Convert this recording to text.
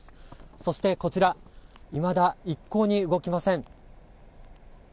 そしてこちらいまだ一向に動きません。